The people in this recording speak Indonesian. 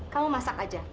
kamu masak aja